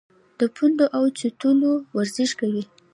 د پوندو اوچتولو ورزش کوی -